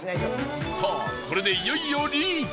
さあ、これでいよいよリーチ